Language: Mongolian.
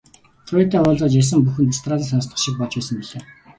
Туяатай уулзаад ярьсан бүхэн дэс дараалан сонстох шиг болж байсан билээ.